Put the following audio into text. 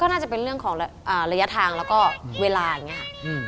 น่าจะเป็นเรื่องของระยะทางแล้วก็เวลาอย่างนี้ค่ะ